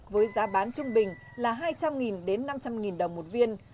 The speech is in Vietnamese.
với giá bán trung bình là hai trăm linh đến năm trăm linh đồng một viên